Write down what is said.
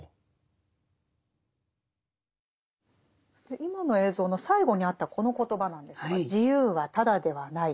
今の映像の最後にあったこの言葉なんですが「自由はただではない」。